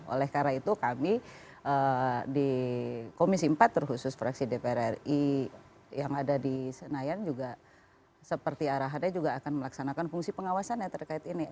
oleh karena itu kami di komisi empat terkhusus fraksi dpr ri yang ada di senayan juga seperti arahannya juga akan melaksanakan fungsi pengawasan yang terkait ini